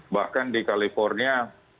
bahkan di california